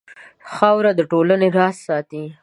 خاوره د ټولو راز ساتي.